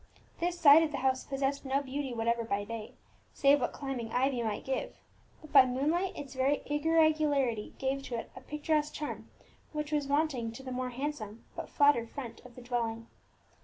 This side of the house possessed no beauty whatever by day, save what climbing ivy might give; but by moonlight its very irregularity gave to it a picturesque charm which was wanting to the more handsome but flatter front of the dwelling.